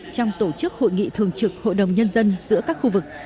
trong tổ chức hội nghị thường trực hội đồng nhân dân giữa các khu vực